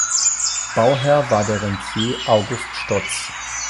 Bauherr war der Rentier August Stotz.